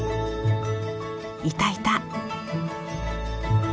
いたいた。